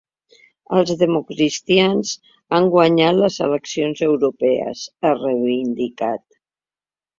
Els democratacristians han guanyat les eleccions europees, ha reivindicat.